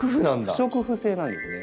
不織布製なんですね。